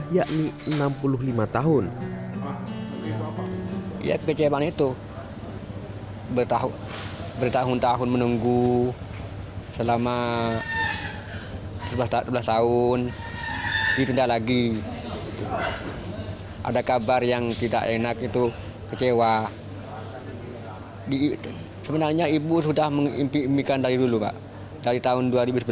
yakni enam puluh lima tahun